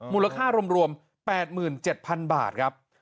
มูลค่ารวม๘๗๐๐๐บาทครับ